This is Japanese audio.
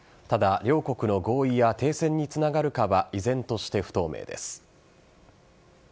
ただ、両国の合意や停戦につながるかは依然として不透明です。